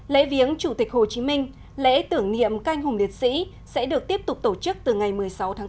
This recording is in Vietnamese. lễ viếng chủ tịch hồ chí minh lễ tưởng niệm canh hùng liệt sĩ sẽ được tiếp tục tổ chức từ ngày một mươi sáu tháng bốn